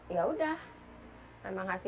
ya sudah memang hasilnya positif